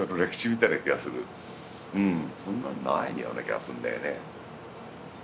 そんなにないような気がするんだよね。